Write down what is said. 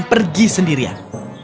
akan pergi sendirian